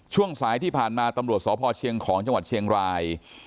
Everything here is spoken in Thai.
ช่วงสายที่ผ่านมาตำรวจสพเชียงของจังหวัดเชียงราย